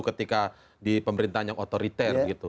ketika di pemerintahan yang otoriter